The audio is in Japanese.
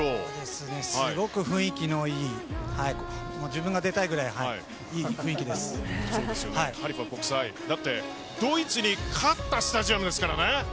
すごく雰囲気のいい自分が出たいくらいそうですよね、ハリーファ国際やっぱドイツに勝ったスタジアムですからね。